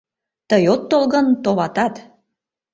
Тый от тол гын, товатат